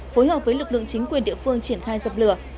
phối hợp với lực lượng chính quyền địa phương triển khai dập lửa